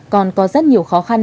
còn có rất nhiều khó khăn